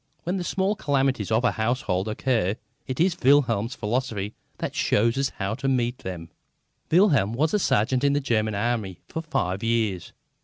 When the small calamities of a household occur, it is Wilhelm's philosophy that shows us how to meet them. Wilhelm was a sergeant in the German Army for five years.